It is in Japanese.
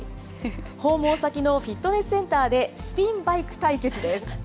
訪問先のフィットネスセンターで、スピンバイク対決です。